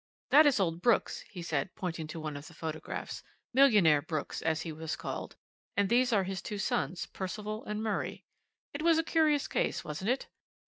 "That is old Brooks," he said, pointing to one of the photographs, "Millionaire Brooks, as he was called, and these are his two sons, Percival and Murray. It was a curious case, wasn't it?